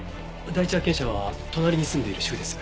第一発見者は隣に住んでいる主婦です。